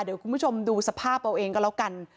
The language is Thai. เดี๋ยวคุณผู้ชมดูสภาพเอาเองก็แล้วกัน